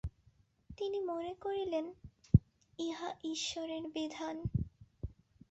তিনি মনে করিলেন, ইহা ঈশ্বরের বিধান।